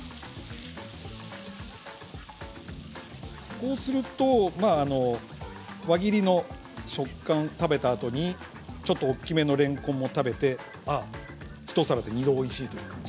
こうすると輪切りの食感食べたあとにちょっと大きめのれんこんを食べてああ、１皿で、２度おいしいという感じ。